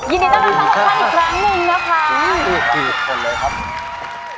ยินดีต้อนรับสวัสดีกรรมการอีกครั้งหนึ่งนะคะ